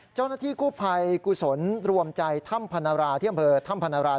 เจ้าหน้าที่คู่ภัยกุศลรวมใจท่ำพนาราเที่ยงบริเวณท่ำพนารา